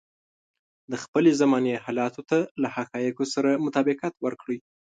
د خپلې زمانې حالاتو ته له حقايقو سره مطابقت ورکړي.